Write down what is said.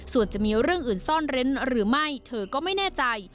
ส่วนจะมีเรื่องอื่นซ่อนเร้นหรือไม่เธอก็ไม่แน่ใจ